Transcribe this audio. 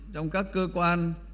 trong các cơ quan